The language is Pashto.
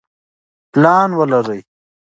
پلان ولرئ.